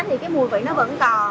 thì cái mùi vị nó vẫn còn